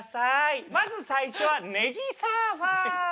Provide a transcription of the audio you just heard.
まず最初はねぎサーファー。